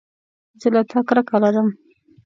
زه له تا کرکه لرم